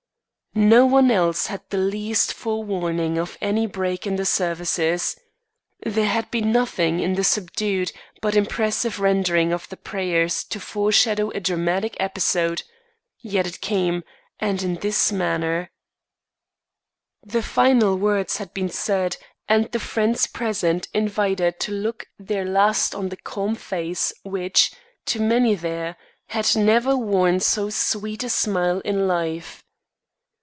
No one else had the least forewarning of any break in the services. There had been nothing in the subdued but impressive rendering of the prayers to foreshadow a dramatic episode; yet it came, and in this manner: The final words had been said, and the friends present invited to look their last on the calm face which, to many there, had never worn so sweet a smile in life.